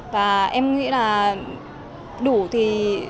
và em nghĩ là đủ thì